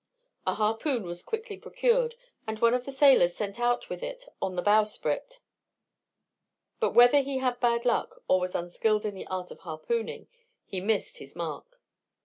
A harpoon was quickly procured, and one of the sailors sent out with it on the bowsprit; but whether he had bad luck, or was unskilled in the art of harpooning, he missed his mark.